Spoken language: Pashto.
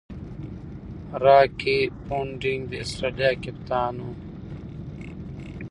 راكي پونټنګ د اسټرالیا کپتان وو.